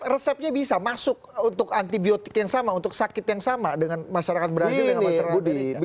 resepnya bisa masuk untuk antibiotik yang sama untuk sakit yang sama dengan masyarakat berani